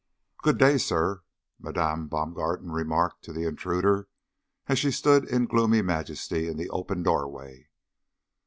"Good day, sir," Madame Baumgarten remarked to the intruder, as she stood in gloomy majesty in the open doorway.